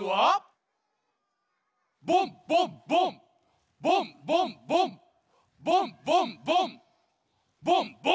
ボンボンボンボンボンボンボンボンボンボンボン。